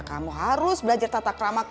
kamu harus belajar tata kerama